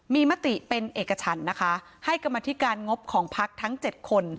มีมติเป็นเอกชันนะคะให้กรรมธิการงบของพักทั้ง๗คน